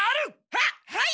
はっはい！